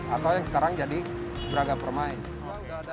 atau yang sekarang jadi braga permain